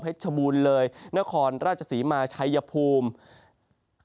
ชบูรณ์เลยนครราชศรีมาชัยภูมิ